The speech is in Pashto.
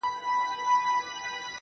نو دغه نوري شپې بيا څه وكړمه~